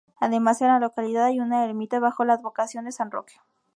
Además, hay en la localidad una ermita bajo la advocación de San Roque.